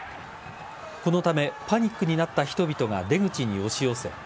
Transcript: このためパニックになった人々が出口に押し寄せ